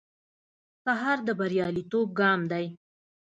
سهار د بریالیتوب ګام دی.